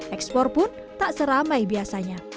ekspor pun tak seramai biasanya